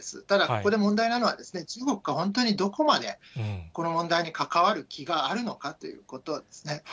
ただ、ここで問題なのは、中国が本当に、どこまでこの問題に関わる気があるのかということですね。